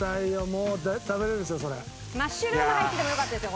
マッシュルーム入っててもよかったですよ